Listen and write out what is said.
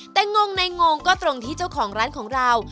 แต่งงในงงก็ตรงที่เจ้าของร้านของเรา